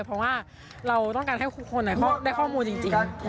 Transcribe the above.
เพราะว่าเราต้องการให้ทุกคนได้ข้อมูลจริง